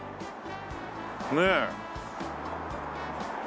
ねえ。